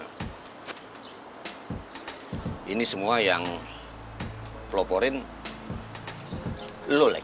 hai ini semua yang peloporin lolek